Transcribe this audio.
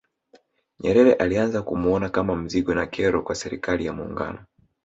Nyerere alianza kumuona kama mzigo na kero kwa Serikali ya Muungano